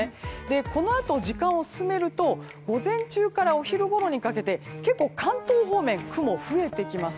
このあと時間を進めると午前中からお昼ごろにかけて結構、関東方面雲が増えてきます。